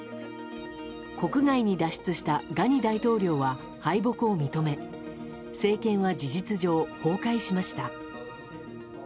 国外に脱出したガニ大統領は敗北を認め政権は事実上崩壊しました。